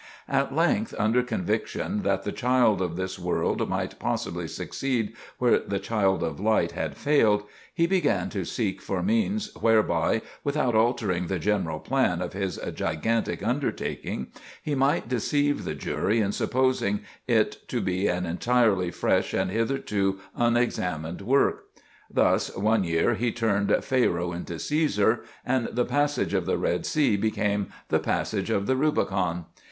At length, under conviction that the child of this world might possibly succeed where the child of light had failed, he began to seek for means whereby, without altering the general plan of his gigantic undertaking, he might deceive the jury in supposing it to be an entirely fresh and hitherto unexamined work. Thus, one year he turned Pharaoh into Cæsar, and the "Passage of the Red Sea" became "The Passage of the Rubicon."